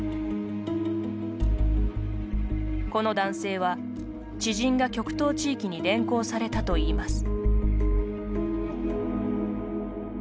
この男性は、知人が極東地域に連行されたといいます。